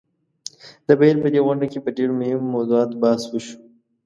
د بهېر په دې غونډه کې په ډېرو مهمو موضوعاتو بحث وشو.